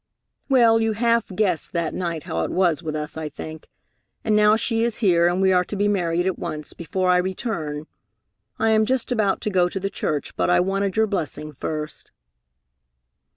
Well, you half guessed that night how it was with us, I think. And now she is here, and we are to be married at once, before I return. I am just about to go to the church, but I wanted your blessing first."